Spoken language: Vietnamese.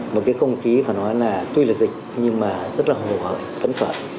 một cái không khí phải nói là tuy là dịch nhưng mà rất là hồ hởi phấn khởi